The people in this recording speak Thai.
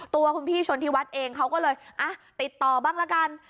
ตัวคุณพี่ชนธิวัฒน์เองเขาก็เลยติดต่อบ้างละกัน